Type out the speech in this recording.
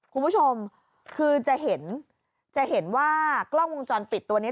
คุณผู้ชมคือจะเห็นจะเห็นว่ากล้องวงจรปิดตัวนี้